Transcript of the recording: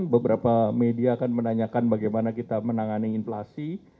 beberapa media akan menanyakan bagaimana kita menangani inflasi